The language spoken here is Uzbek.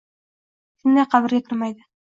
shunday, qabrga kirmaydi.